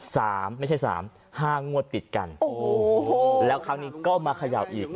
ไม่ใช่สามห้างวดติดกันโอ้โหแล้วครั้งนี้ก็มาเขย่าอีก